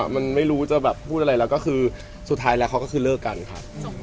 มันไม่รู้จะแบบพูดอะไรแล้วก็คือสุดท้ายแล้วเขาก็คือเลิกกันครับ